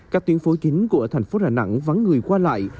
các tuyến phố chính của thành phố đà nẵng vắng người qua lại